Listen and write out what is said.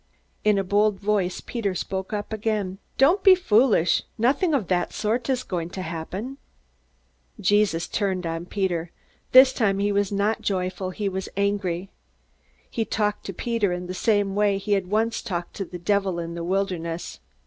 In a bold voice Peter spoke up again: "Don't be foolish. Nothing of that sort is going to happen!" Jesus turned on Peter. This time he was not joyful; he was angry. He talked to Peter in the same way he had once talked to the devil in the wilderness.